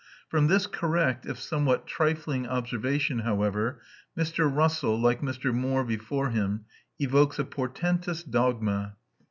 From this correct, if somewhat trifling, observation, however, Mr. Russell, like Mr. Moore before him, evokes a portentous dogma.